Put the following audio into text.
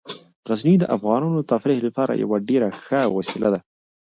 غزني د افغانانو د تفریح لپاره یوه ډیره ښه وسیله ده.